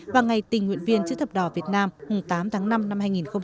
và ngày tình nguyện viên chữ thập đỏ việt nam tám tháng năm năm hai nghìn hai mươi